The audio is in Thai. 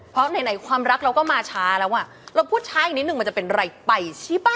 เพราะไหนความรักเราก็มาช้าแล้วอ่ะเราพูดช้าอีกนิดนึงมันจะเป็นไรไปใช่ป่ะ